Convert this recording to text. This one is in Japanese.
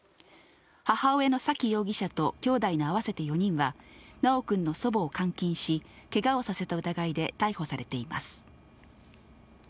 母親の沙喜容疑者ときょうだいの合わせて４人は、修くんの祖母を監禁し、けがをさせた疑いで逮捕されています。